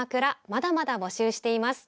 まだまだ募集しています。